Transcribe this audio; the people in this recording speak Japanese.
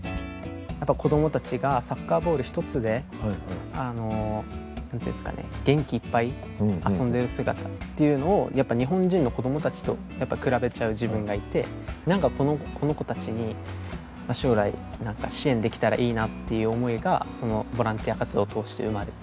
子どもたちがサッカーボール１つで元気いっぱい遊んでる姿っていうのをやっぱ日本人の子どもたちと比べちゃう自分がいてなんかこの子たちに将来支援できたらいいなっていう思いがボランティア活動を通して生まれて。